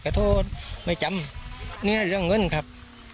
ขอโทษไม่จำเนี่ยเรื่องเงินครับ